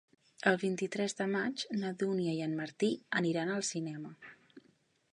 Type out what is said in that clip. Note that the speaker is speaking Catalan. El vint-i-tres de maig na Dúnia i en Martí aniran al cinema.